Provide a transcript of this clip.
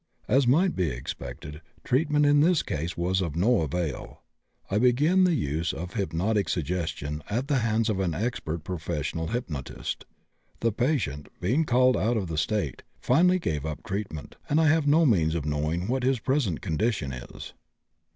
As might be expected, treatment in this case was of no avail. I began the use of hypnotic suggestion at the hands of an expert professional hypnotist. The patient, being called out of the State, finally gave up treatment, and I have no means of knowing what his present condition is.